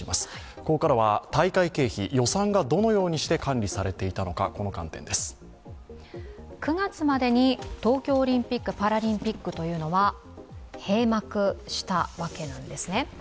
ここからは大会経費、予算がどのようにして管理されていたのか、この観点です９月までに東京オリンピック・パラリンピックというのは閉幕したわけなんですね。